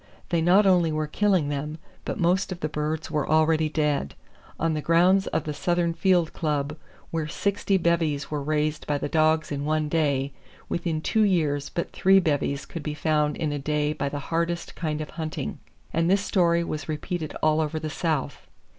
They not only were killing them, but most of the birds were already dead. On the grounds of the Southern Field Club where sixty bevies were raised by the dogs in one day, within two years but three bevies could be found in a day by the hardest kind of hunting; and this story was repeated all over the South.